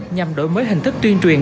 nhằm đổi mới hình thức tuyên truyền